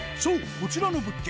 こちらの物件